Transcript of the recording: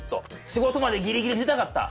仕事までギリギリ寝たかった。